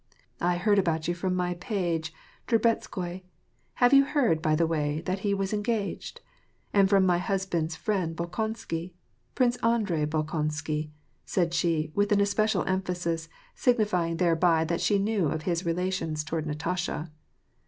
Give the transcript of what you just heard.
^' I heaxd about you from my ' page,' Drubetskoi. — Have you heard, by the way, that he was engaged ?— and from my husband's friend Bolkon sky. Prince Andrei Bolkonsky," said she, with especial em phasis, signifying thereby that she knew of his relations toward Natasha.